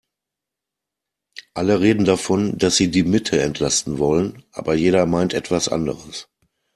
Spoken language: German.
Alle reden davon, dass sie die Mitte entlasten wollen, aber jeder meint etwas anderes.